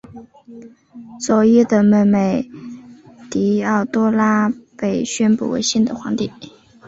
佐伊的妹妹狄奥多拉被宣布为新的皇帝。